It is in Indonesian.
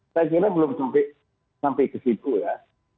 saya kira belum sampai ke situ ya